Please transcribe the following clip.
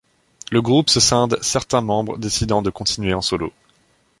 Le groupe se scinde certains membres décidant de continuer en solo.